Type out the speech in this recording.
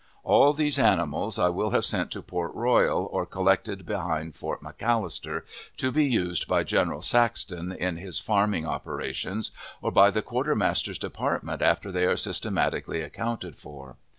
All these animals I will have sent to Port Royal, or collected behind Fort McAllister, to be used by General Saxton in his farming operations, or by the Quartermaster's Department, after they are systematically accounted for.